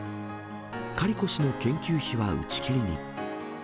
カリコ氏の研究費は打ち切りに。